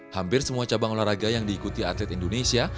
hampir semua cabang olahraga yang diikuti atlet indonesia